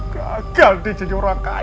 gagal dia jadi orang kaya